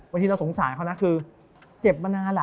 เอาที่เราสงสารเขานะคือเจ็บมา